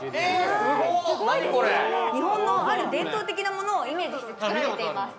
日本のある伝統的なものをイメージしてつくられています